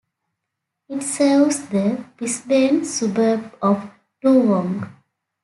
It serves the Brisbane suburb of Toowong.